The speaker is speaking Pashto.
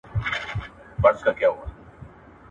صبر کول د ستونزو پر وخت مهمه ځانګړتیا ده.